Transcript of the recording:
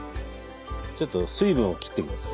ちょっと水分を切っていきます。